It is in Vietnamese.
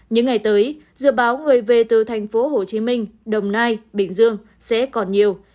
những ngày tới dự báo người về từ thành phố hồ chí minh đồng nai bình dương sẽ còn nhiều